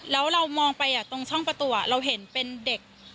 แล้วเรามองไปตรงช่องประตูเราเห็นเป็นเด็ก